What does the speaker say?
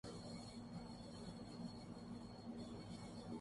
I C C one day team ranking Australia بدستورسرفہرست